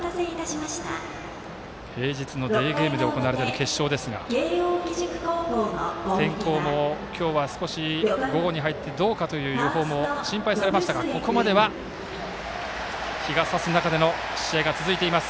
平日のデーゲームで行われている決勝ですが天候も今日は少し午後に入ってどうかという予報も心配されましたがここまでは日がさす中での試合が続いています。